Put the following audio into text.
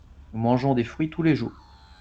nous mangeons des fruits tous les jours.